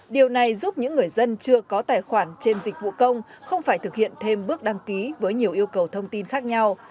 điều này giúp những người dân chưa có tài khoản trên dịch vụ công không phải thực hiện thêm bước đăng ký với nhiều yêu cầu thông tin khác nhau